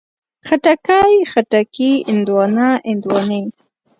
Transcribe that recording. خټکی، خټکي، هندواڼه، هندواڼې